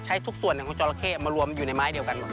ใช้ทุกส่วนหนึ่งของจอร์ละเข้มารวมอยู่ในไม้เดียวกัน